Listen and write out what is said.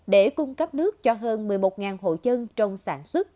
để cung cấp nước cho hơn một mươi một hộ dân trong sản xuất